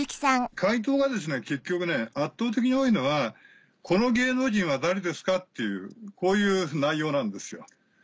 解答はですね結局圧倒的に多いのは「この芸能人は誰ですか？」っていうこういう内容なんですよ。